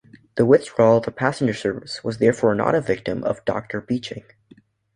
The withdrawal of the passenger service was therefore not a victim of Doctor Beeching.